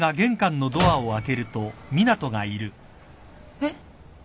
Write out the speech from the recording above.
えっ？